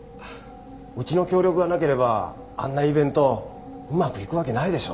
うちの協力がなければあんなイベントうまくいくわけないでしょう。